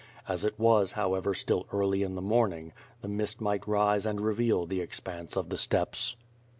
As it was, however, still early in the morning, the mist might rise and reveal the expanse of the steppes.